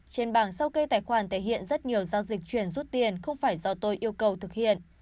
trên bảng sau kê tài khoản thể hiện rất nhiều giao dịch chuyển rút tiền không phải do tôi yêu cầu thực hiện